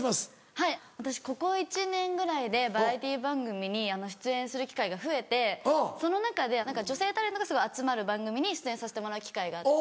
はい私ここ１年ぐらいでバラエティー番組に出演する機会が増えてその中で女性タレントがすごい集まる番組に出演させてもらう機会があって。